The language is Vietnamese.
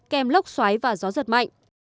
kèm lốc xoáy và gió giật mạnh